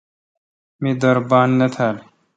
می در بان نہ تھال۔